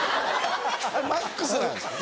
あれマックスなんですね。